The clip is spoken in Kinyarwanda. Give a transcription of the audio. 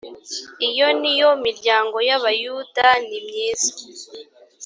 iyo ni yo miryango y abayuda nimyiza